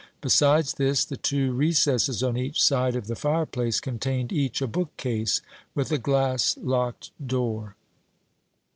Besides this, the two recesses on each side of the fireplace contained each a bookcase with a glass locked door.